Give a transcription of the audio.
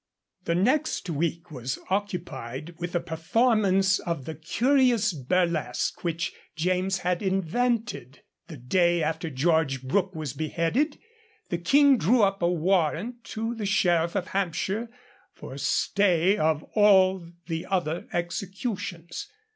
The next week was occupied with the performance of the curious burlesque which James had invented. The day after George Brooke was beheaded, the King drew up a warrant to the Sheriff of Hampshire for stay of all the other executions.